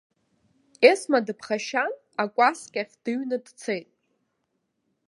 Есма дыԥхашьан, акәасқьахь дыҩны дцеит.